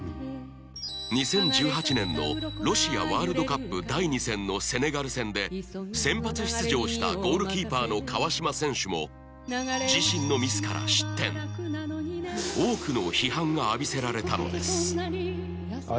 ２０１８年のロシアワールドカップ第２戦のセネガル戦で先発出場したゴールキーパーの川島選手も自身のミスから失点多くの批判が浴びせられたのですああ